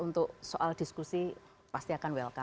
untuk soal diskusi pasti akan welcome